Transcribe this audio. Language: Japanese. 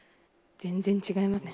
全然違いますね。